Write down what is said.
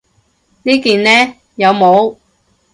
呢件呢？有帽